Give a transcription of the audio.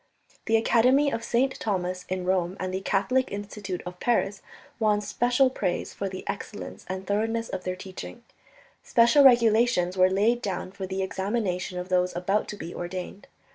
The Academy of St. Thomas in Rome and the Catholic Institute of Paris won special praise for the excellence and thoroughness of their teaching. Special regulations were laid down for the examination of those about to be ordained.